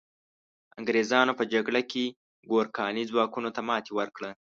انګریزانو په جګړه کې ګورکاني ځواکونو ته ماتي ورکړه.